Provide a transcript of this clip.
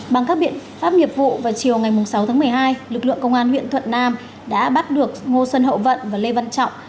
bằng các biện pháp nghiệp vụ vào chiều ngày sáu tháng một mươi hai lực lượng công an huyện thuận nam đã bắt được ngô xuân hậu vận và lê văn trọng